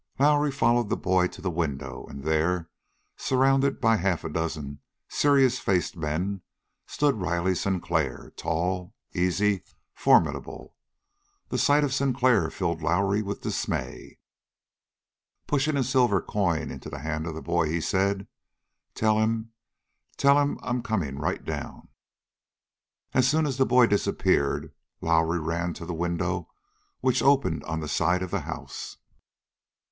Lowrie followed the boy to the window, and there, surrounded by half a dozen serious faced men, stood Riley Sinclair, tall, easy, formidable. The sight of Sinclair filled Lowrie with dismay. Pushing a silver coin into the hand of the boy, he said: "Tell him tell him I'm coming right down." As soon as the boy disappeared, Lowrie ran to the window which opened on the side of the house.